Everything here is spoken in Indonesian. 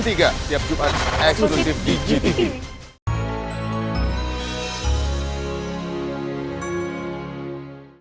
tiap jumat eksklusif di gtv